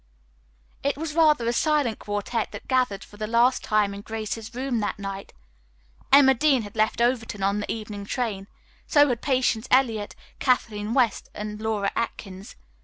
It was rather a silent quartette that gathered for the last time in Grace's room that night. Emma Dean had left Overton on the evening train. So had Patience Eliot, Kathleen West and Laura Atkins.